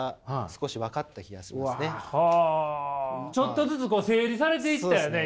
ちょっとずつ整理されていったよね？